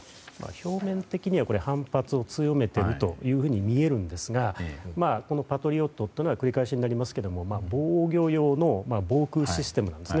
表面的には反発を強めているように見えますがこのパトリオットというのは繰り返しになりますが防御用の防空システムですね。